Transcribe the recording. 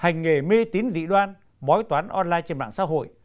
hành nghề mê tín dị đoan bói toán online trên mạng xã hội